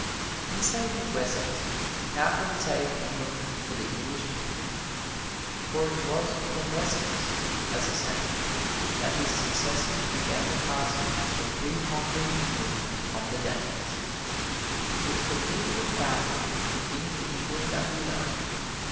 In saving Wessex, Alfred saved England for the English people; for it was from Wessex, as a center, that his successors began the task of reconquering England from the Danes. With the rule of Alfred begins the England that we know.